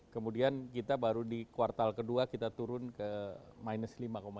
kemudian kita baru di kuartal kedua kita turun ke minus lima satu